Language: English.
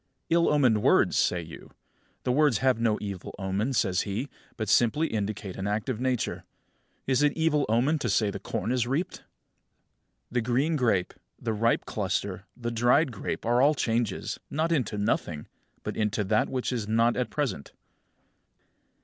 "Ill omened words!" say you. "The words have no evil omen," says he, "but simply indicate an act of Nature. Is it of evil omen to say the corn is reaped?" 35. The green grape, the ripe cluster, the dried grape are all changes, not into nothing, but into that which is not at present.